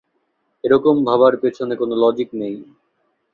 এরকম ভাবার পেছনে কোন লজিক নেই।